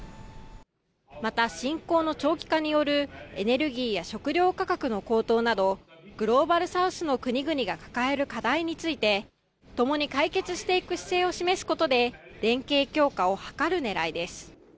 また、侵攻の長期化によるエネルギーや食料価格の高騰などグローバルサウスの国々が抱える課題についてともに解決していく姿勢を示すことで連携強化を図る狙いです。